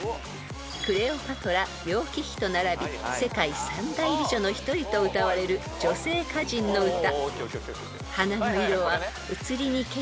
［クレオパトラ楊貴妃と並び世界三大美女の１人とうたわれる女性歌人の歌］